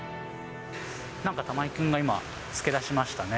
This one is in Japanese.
なんか玉井君が今、付けだしましたね。